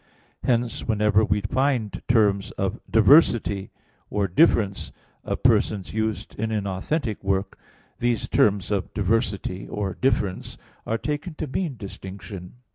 Hence whenever we find terms of "diversity" or "difference" of Persons used in an authentic work, these terms of "diversity" or "difference" are taken to mean "distinction."